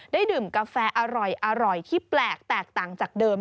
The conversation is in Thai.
ดื่มกาแฟอร่อยที่แปลกแตกต่างจากเดิม